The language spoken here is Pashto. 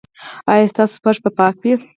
ایا ستاسو فرش به پاک وي؟